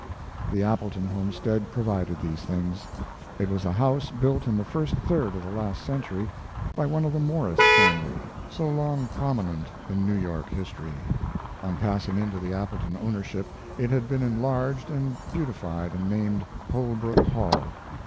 The Appleton homestead provided these things. It was a house built in the first third of the last century by one of the Morris family, so long prominent in New York history. On passing into the Appleton ownership it had been enlarged and beautified and named "Holbrook Hall."